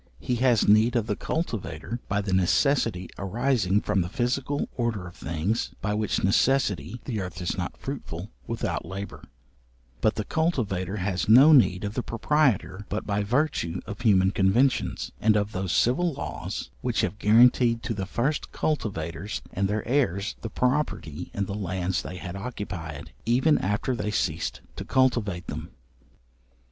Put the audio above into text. He has need of the cultivator by the necessity arising from the physical order of things, by which necessity the earth is not fruitful without labour; but the cultivator has no need of the proprietor but by virtue of human conventions, and of those civil laws which have guaranteed to the first cultivators and their heirs, the property in the lands they had occupied, even after they ceased to cultivate them.